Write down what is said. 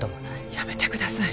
やめてください。